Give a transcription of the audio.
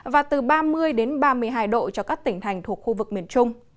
và từ ba mươi ba mươi hai độ cho các tỉnh thành thuộc khu vực miền trung